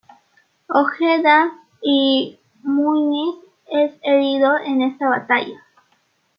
Ojeda y Muñiz es herido en esta Batalla.